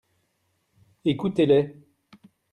Écoutez-les.